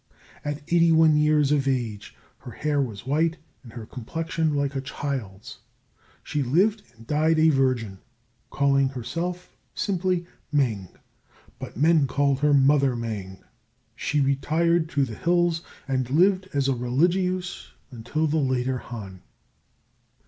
At eighty one years of age her hair was white and her complexion like a child's. She lived and died a virgin, calling herself simply Mêng; but men called her Mother Mêng. She retired to the hills and lived as a religieuse until the Later Han.